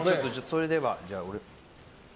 それでは。